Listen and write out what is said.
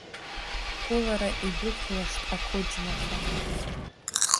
Қәылара идәықәлашт ақәыџьмакәа.